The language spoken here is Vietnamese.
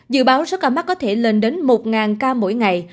dự báo số ca mắc có thể lên đến một ca mỗi ngày